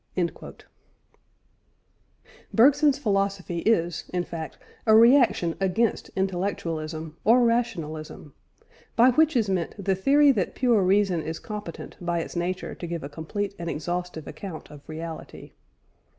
" Bergson's philosophy is, in fact, a reaction against intellectualism or rationalism; by which is meant the theory that pure reason is competent by its nature to give a complete and exhaustive account of reality.